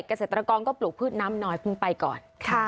เกษตรกรก็ปลูกพืชน้ำน้อยเพิ่งไปก่อน